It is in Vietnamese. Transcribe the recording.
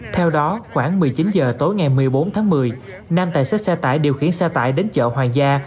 theo đó khoảng một mươi chín h tối ngày một mươi bốn tháng một mươi nam tài xế xe tải điều khiển xe tải đến chợ hoàng gia